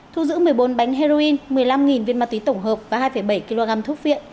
thu giữ một mươi bốn bánh heroin một mươi năm viên ma túy tổng hợp và hai bảy kg thuốc viện